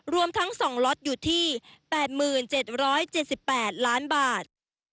รวมทั้ง๒ล็อตอยู่ที่๘๗๗๘ล้านบาท